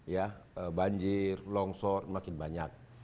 ya banjir longsor makin banyak